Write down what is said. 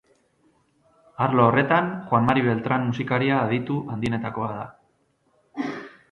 Arlo horretan, Juan Mari Beltran musikaria aditu handienetakoa da.